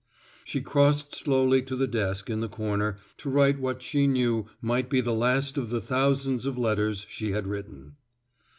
She crossed slowly to the desk in the corner, to write what she knew might be the last of the thousands of letters she had written.